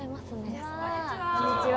こんにちは！